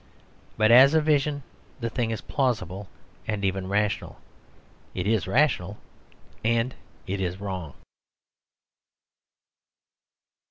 But as a vision the thing is plausible and even rational. It is rational, and it is wrong.